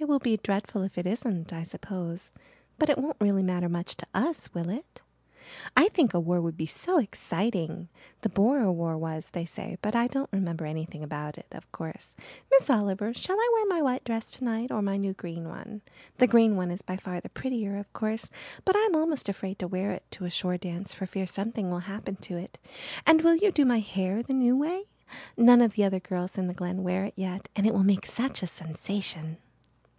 "It will be dreadful if it isn't, I suppose. But it won't really matter much to us, will it? I think a war would be so exciting. The Boer war was, they say, but I don't remember anything about it, of course. Miss Oliver, shall I wear my white dress tonight or my new green one? The green one is by far the prettier, of course, but I'm almost afraid to wear it to a shore dance for fear something will happen to it. And will you do my hair the new way? None of the other girls in the Glen wear it yet and it will make such a sensation."